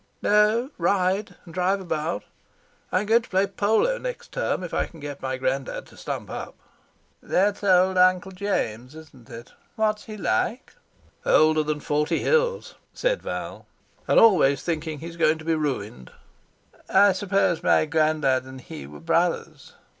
"No—ride, and drive about. I'm going to play polo next term, if I can get my granddad to stump up." "That's old Uncle James, isn't it? What's he like?" "Older than forty hills," said Val, "and always thinking he's going to be ruined." "I suppose my granddad and he were brothers."